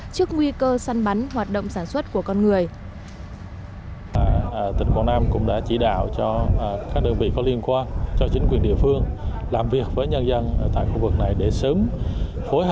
trước nguy cơ săn bắn hoạt động sản xuất của con người